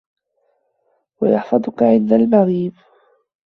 وَيَحْفَظَك عِنْدَ الْمَغِيبِ